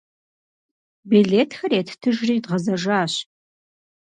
Билетхэр еттыжри дгъэзэжащ.